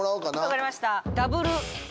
分かりました。